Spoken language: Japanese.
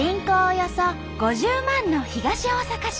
およそ５０万の東大阪市。